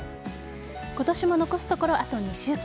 今年も残すところ、あと２週間。